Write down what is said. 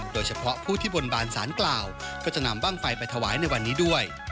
โดยเฉพาะผู้ที่บนบานสารกล่าวก็จะนำบ้างไฟไปถวายในวันนี้ด้วย